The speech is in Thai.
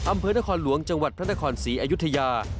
อำเภอนครหลวงจังหวัดพระนครศรีอยุธยา